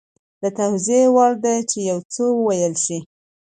د توضیح وړ ده چې یو څه وویل شي